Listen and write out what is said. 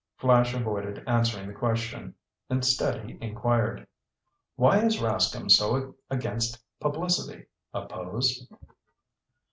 Flash avoided answering the question. Instead he inquired: "Why is Rascomb so against publicity? A pose?"